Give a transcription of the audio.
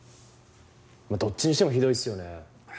まあどっちにしてもひどいっすよね。